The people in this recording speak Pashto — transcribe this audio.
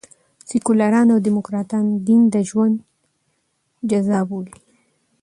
سیکواران او ډيموکراټان دین د ژوند جزء بولي.